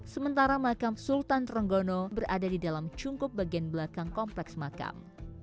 sementara makam sultan trenggono berada di dalam cungkup bagian belakang kompleks makam